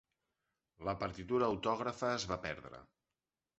La partitura autògrafa es va perdre.